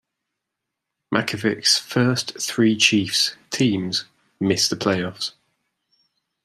Mackovic's first three Chiefs teams missed the playoffs.